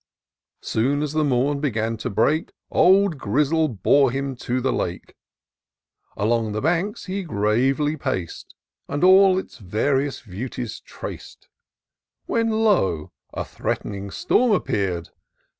Soon as the mom began to break. Old Grizzle bore him to the Lake ; Along the banks he gravely pac'd. And all its various beauties trac'd ; When, lo, a. threat'ning storm appear d